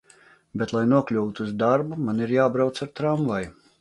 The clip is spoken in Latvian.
Bet, lai nokļūtu uz darbu, man ir jābrauc ar tramvaju.